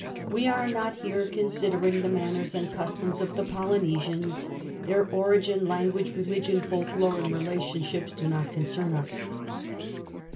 We are not here considering the manners and customs of the Polynesians ; their origin, language, religion, folk lore, and relationships do not concern us.